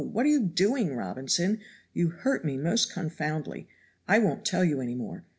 what are you doing, Robinson, you hurt me most confoundedly I won't tell you any more.